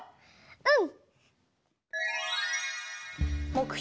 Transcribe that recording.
うん！